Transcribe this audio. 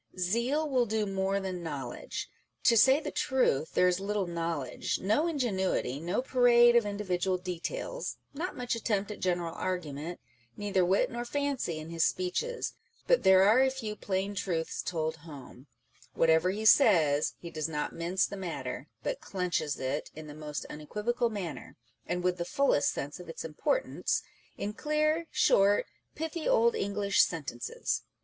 Zeal will do more than knowledge. To say the truth, there is little knowledge, â€" no ingenuity, no parade of individual details, not much attempt at general argument, neither wit nor fancy in his speeches â€" but there are a few plain truths told home : what ever he says, he does not mince the matter, but clenches it Writing/ and Speaking. 379 in the most unequivocal manner, and with the fullest sense of its importance, in clear, short, pithy old English sentences.